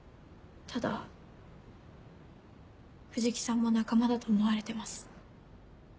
ただ藤木さんも仲間だと思われてます。